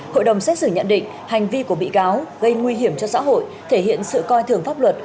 hội đồng xét xử nhận định hành vi của bị cáo gây nguy hiểm cho xã hội thể hiện sự coi thường pháp luật